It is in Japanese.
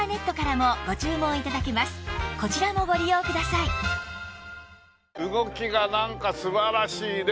さらに動きがなんか素晴らしいね。